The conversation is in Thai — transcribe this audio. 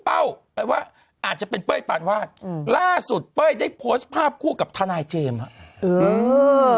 อาจจะเป็นเป้ยปานวาดล่าสุดเป้ยได้โพสต์ภาพคู่กับทนายเจมส์